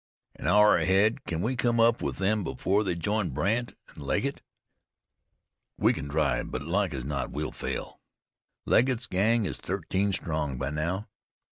"An hour ahead; can we come up with them before they join Brandt an' Legget?" "We can try, but like as not we'll fail. Legget's gang is thirteen strong by now.